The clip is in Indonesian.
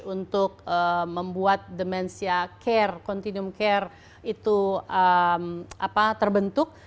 untuk membuat demensia care continuum care itu terbentuk